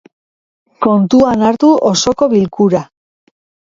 Kontuan hartu osoko bilkura.